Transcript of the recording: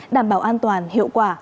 đảm bảo an toàn hiệu quả